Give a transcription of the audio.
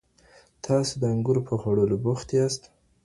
تاسو د انګورو په خوړلو بوخت یاست.